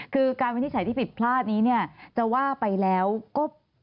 คือการวินิจฉัยที่ผิดพลาดนี้เนี่ยจะว่าไปแล้วก็